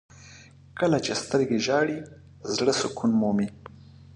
• کله چې سترګې ژاړي، زړه سکون مومي.